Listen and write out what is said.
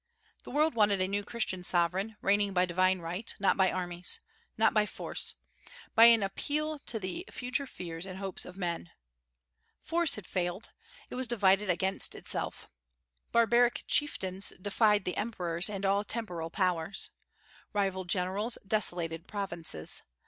The world wanted a new Christian sovereign, reigning by divine right, not by armies, not by force, by an appeal to the future fears and hopes of men. Force had failed: it was divided against itself. Barbaric chieftains defied the emperors and all temporal powers. Rival generals desolated provinces.